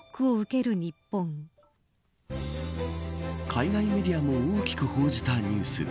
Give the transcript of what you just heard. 海外メディアも大きく報じたニュース。